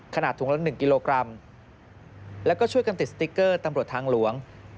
ถุงละ๑กิโลกรัมแล้วก็ช่วยกันติดสติ๊กเกอร์ตำรวจทางหลวง